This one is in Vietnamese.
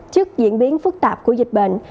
trước diễn biến phức tạp của dịch bệnh